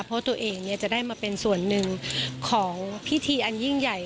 เพราะตัวเองจะได้มาเป็นส่วนหนึ่งของพิธีอันยิ่งใหญ่